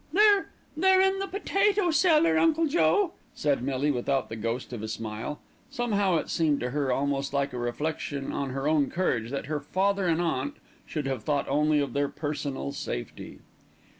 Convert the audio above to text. "They're they're in the potato cellar, Uncle Joe," said Millie without the ghost of a smile. Somehow it seemed to her almost like a reflection on her own courage that her father and aunt should have thought only of their personal safety.